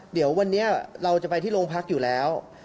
เดี๋ยววันนี้เราจะไปที่โรงพักอยู่แล้ว